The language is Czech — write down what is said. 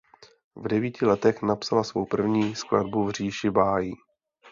V devíti letech napsala svou první skladbu "V říši bájí".